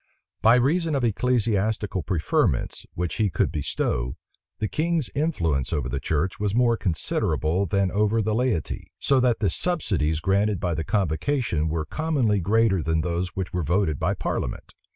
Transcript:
By reason of ecclesiastical preferments, which he could bestow, the king's influence over the church was more considerable than over the laity; so that the subsidies granted by the convocation were commonly greater than those which were voted by parliament.